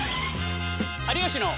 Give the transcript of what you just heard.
「有吉の」。